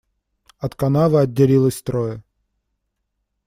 От канавы отделилось трое.